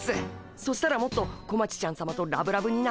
そしたらもっと小町ちゃんさまとラブラブになれるっす。